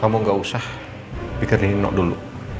kamu nggak usah mikirin nino dulu